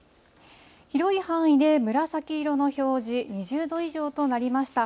広い範囲で紫色の表示、２０度以上となりました。